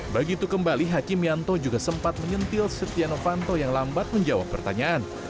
begitu kembali hakim yanto juga sempat menyentil setia novanto yang lambat menjawab pertanyaan